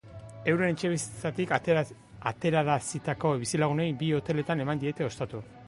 Euren etxebizitzetatik aterarazitako bizilagunei bi hoteletan eman diete ostatu.